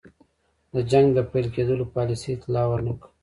د جنګ د پیل کېدلو پالیسۍ اطلاع ور نه کړه.